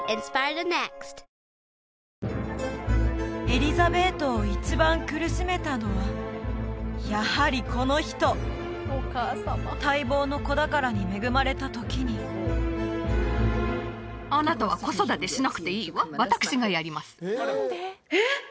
エリザベートを一番苦しめたのはやはりこの人待望の子宝に恵まれた時にあなたは子育てしなくていいわ私がやりますええっ！？